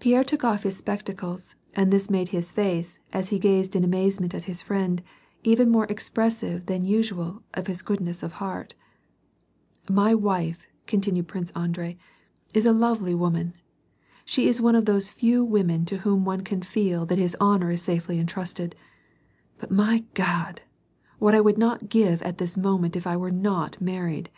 Pierre took off his spectacles, and this made his face, as he gazed in amazement at his friend, even more expressive than usual of his goodness of heart. " My wife," continued Prince Andrei, " is a lovely woman. She is one of those few women to whom one can feel tha,t his honor is safely entrusted ; but, my God ! what would I not give at this moment if I were not married